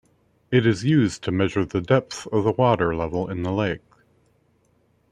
It is used to measure the depth of the water level in the lake.